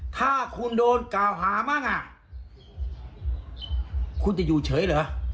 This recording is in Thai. ถ้าคุณโดนกล่าวหาบ้างอ่ะคุณจะอยู่เฉยเหรอ